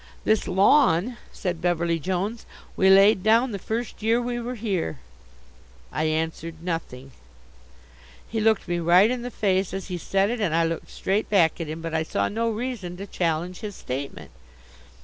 "This lawn," said Beverly Jones, "we laid down the first year we were here." I answered nothing. He looked me right in the face as he said it and I looked straight back at him, but I saw no reason to challenge his statement.